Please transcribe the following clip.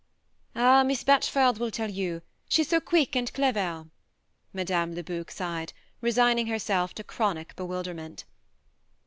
" Ah, Miss Batchford will tell you she's so quick and clever," Mme. Lebuc sighed, resigning herself to chronic bewilderment.